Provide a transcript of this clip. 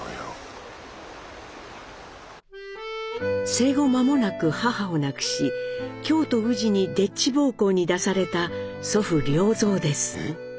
生後まもなく母を亡くし京都・宇治にでっち奉公に出された祖父・良三です。